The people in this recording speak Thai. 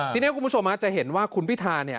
ทีนี้คุณผู้ชมจะเห็นว่าคุณพิธาเนี่ย